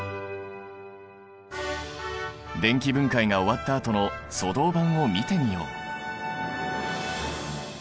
電気分解が終わったあとの粗銅板を見てみよう。